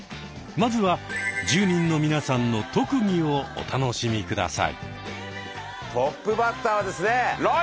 まずは住人の皆さんの特技をお楽しみ下さい。